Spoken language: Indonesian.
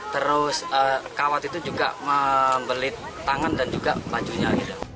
terus kawat itu juga membelit tangan dan juga bajunya